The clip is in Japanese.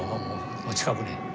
もう近くに。